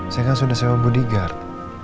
saya kan sudah sewa bodyguard